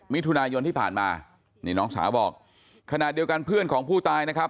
มิถุนายนที่ผ่านมานี่น้องสาวบอกขณะเดียวกันเพื่อนของผู้ตายนะครับ